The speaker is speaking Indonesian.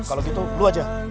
kalau gitu lo aja